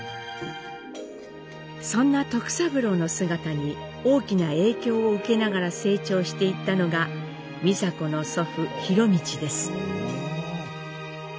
そんな徳三郎の姿に大きな影響を受けながら成長していったのが美佐子の祖父博通です。